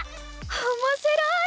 おもしろい！